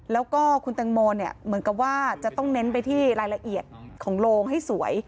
แล้วก็คุณแตงโมเนี่ยเหมือนกับว่าจะต้องเน้นไปที่รายละเอียดของโลงให้สวย